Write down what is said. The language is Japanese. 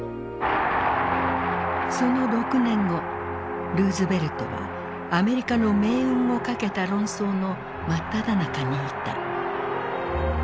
その６年後ルーズベルトはアメリカの命運をかけた論争の真っただ中にいた。